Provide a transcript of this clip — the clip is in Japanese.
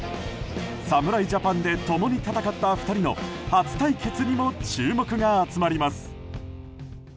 侍ジャパンで共に戦った２人の初対決にも注目が集まります。